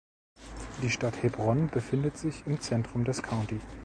Die Stadt Hebron befindet sich im Zentrum des County.